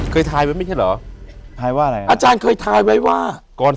เคยทายไว้ไม่ใช่เหรออาจารย์เคยทายไว้ว่าทายว่าอะไร